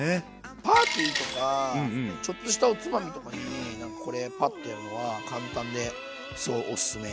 パーティーとかちょっとしたおつまみとかになんかこれパッとやるのは簡単ですごいおすすめ。